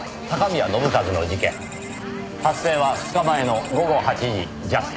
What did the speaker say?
発生は２日前の午後８時ジャスト。